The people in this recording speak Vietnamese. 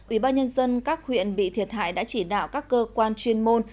ủy ban nhân dân các huyện bị thiệt hại đã chỉ đạo các cơ quan chuyên môn